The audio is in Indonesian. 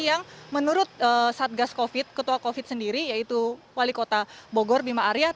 yang menurut satgas covid ketua covid sendiri yaitu wali kota bogor bima arya